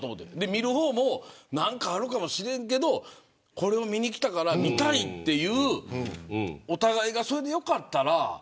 見る方も何かあるかもしれんけどこれを見に来たから見たいというお互いがそれで良かったら。